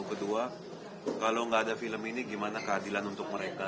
kedua kalau nggak ada film ini gimana keadilan untuk mereka